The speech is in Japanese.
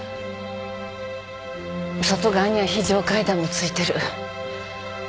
外側には非常階段も付いてる。